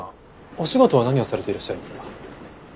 お仕事は何をされていらっしゃるんですか？